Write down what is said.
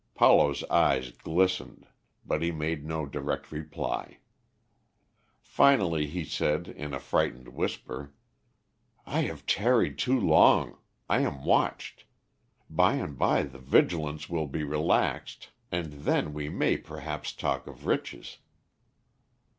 Paulo's eyes glistened, but he made no direct reply. Finally he said, in a frightened whisper, "I have tarried too long, I am watched. By and by the vigilance will be relaxed, and then we may perhaps talk of riches."